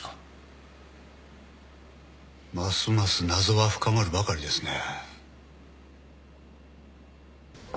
ますます謎は深まるばかりですね。